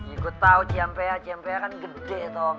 iya gue tau cmpa cmpa kan gede tom